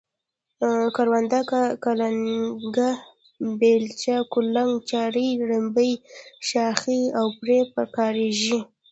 کرونده کې کلنگه، بیلچه، کولنگ، چارۍ، رنبی، شاخۍ او پړی په کاریږي.